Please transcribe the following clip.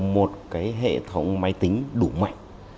một cái hệ thống máy tính đủ mạnh